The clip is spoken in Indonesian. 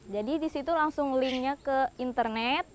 jadi disitu langsung linknya ke internet